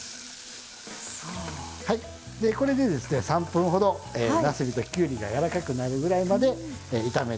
３分ほどなすびときゅうりが柔らかくなるぐらいまで炒めていきます。